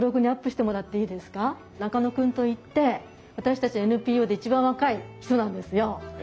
中野くんといって私たちＮＰＯで一番若い人なんですよ。